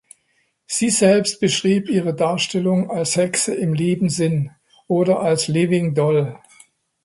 Sie selbst beschrieb ihre Darstellung als „Hexe im lieben Sinn“ oder als „Living Doll“.